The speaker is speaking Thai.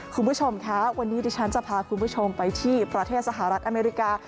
คุณผู้ชมคะวันนี้ดิฉันจะพาคุณผู้ชมไปที่ประเทศสหรัฐอเมริกา